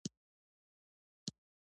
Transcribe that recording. زخمي کېدل ستونزمن نه دي.